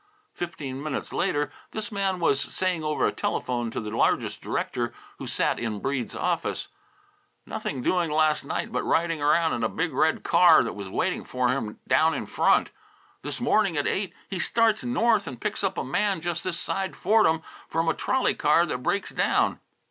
Fifteen minutes later this man was saying over a telephone to the largest director who sat in Breed's office: "Nothing doing last night but riding around in a big red car that was waiting for him down in front. This morning at eight he starts north and picks up a man just this side Fordham, from a trolley car that breaks down.